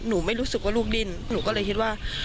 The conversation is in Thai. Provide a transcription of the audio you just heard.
หนูไม่รู้สึกว่าลูกดิ้นหนูก็เลยคิดว่า